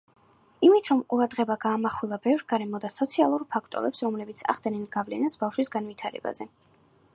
იმით, რომ ყურადღება გაამახვილა ბევრ გარემო და სოციალურ ფაქტორებს, რომლებიც ახდენენ გავლენას ბავშვის განვითარებაზე.